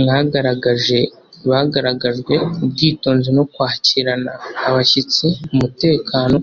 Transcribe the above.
mwagaragaje bagaragajwe ubwitonzi no kwakirana abashyitsi umutekano